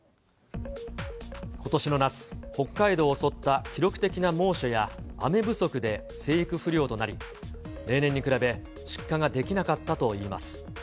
ことしの夏、北海道を襲った記録的な猛暑や雨不足で生育不良となり、例年に比べ、出荷ができなかったといいます。